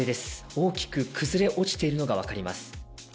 大きく崩れ落ちているのが分かります。